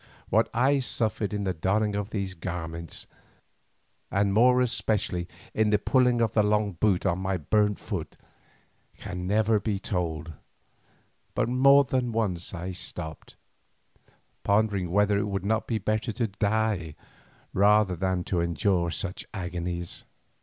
What I suffered in the donning of those garments, and more especially in the pulling of the long boot on to my burnt foot, can never be told, but more than once I stopped, pondering whether it would not be better to die rather than to endure such agonies.